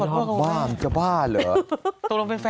อยู่ที่นี่พูดป่ะ